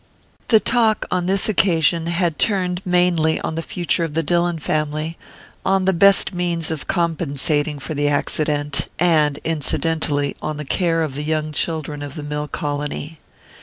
The talk, on this occasion, had turned mainly on the future of the Dillon family, on the best means of compensating for the accident, and, incidentally, on the care of the young children of the mill colony.